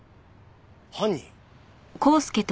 犯人？